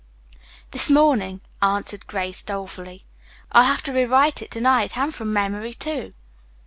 "This morning," answered Grace dolefully. "I'll have to rewrite it to night and from memory, too."